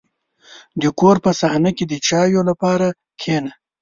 • د کور په صحنه کې د چایو لپاره کښېنه.